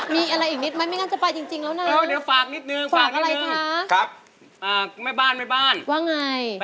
มีอะไรอีกนิดมั้ยไม่งั้นจะไปจริงแล้วนะ